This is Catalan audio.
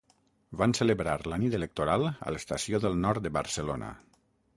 Van celebrar la nit electoral a l'Estació del Nord de Barcelona.